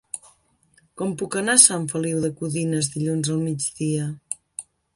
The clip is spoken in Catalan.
Com puc anar a Sant Feliu de Codines dilluns al migdia?